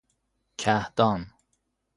کهدان